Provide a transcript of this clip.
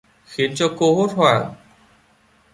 Khiến cho cô hốt hoảng